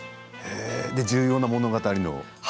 重要な物語の。